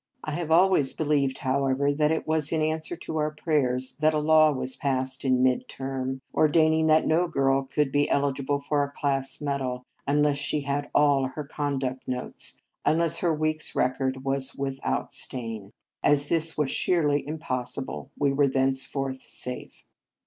I have always believed, however, that it was in answer to our prayers that a law was passed in mid term, ordaining that no girl should be eli gible for a class medal unless she had all her conduct notes, unless her week s record was without a stain. 1 66 Marriage Vows As this was sheerly impossible, we were thenceforth safe.